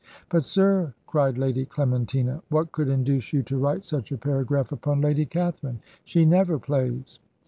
"But, sir," cried Lady Clementina, "what could induce you to write such a paragraph upon Lady Catherine? She never plays."